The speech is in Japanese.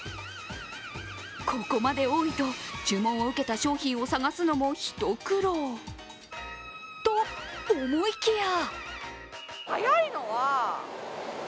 ここまで多いと、注文を受けた商品を探すのも一苦労と思いきや！